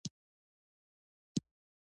څنګه وزن کم کړو؟